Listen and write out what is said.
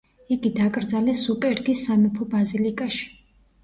იგი დაკრძალეს სუპერგის სამეფო ბაზილიკაში.